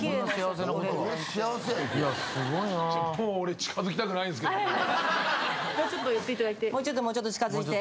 もうちょっと寄っていただいて。